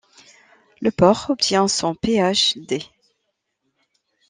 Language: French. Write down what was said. Lepore obtient son Ph.D.